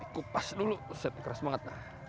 kupas dulu keras banget